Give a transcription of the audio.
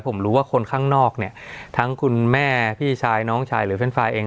ผมรู้ว่าคนข้างนอกเนี่ยทั้งคุณแม่พี่ชายน้องชายหรือแฟนไฟล์เอง